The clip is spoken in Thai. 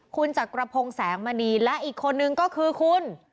คุณจักรพงศ์แสงมณีและอีกคนนึงก็คือคุณ